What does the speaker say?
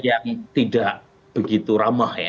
yang tidak begitu ramah